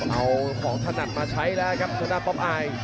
เอาของถนัดมาใช้แล้วครับทางด้านป๊อปอาย